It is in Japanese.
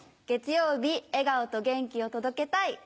月曜日笑顔と元気を届けたい。